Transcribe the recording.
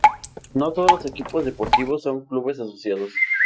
No todos los equipos deportivos son clubes asociados.